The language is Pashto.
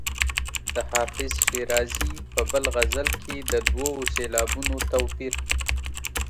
د حافظ شیرازي په بل غزل کې د دوو سېلابونو توپیر.